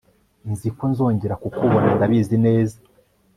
nzi ko nzongera kukubona ndabizi neza